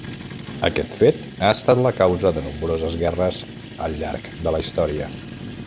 Aquest fet ha estat la causa de nombroses guerres al llarg de la història.